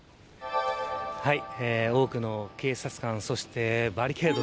多くの警察官、そしてバリケード。